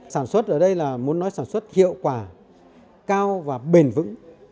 sản xuất ở đây là muốn nói sản xuất hiệu quả cao và bền vững